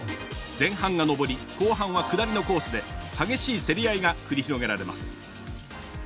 前半が上り後半は下りのコースで激しい競り合いが繰り広げられます。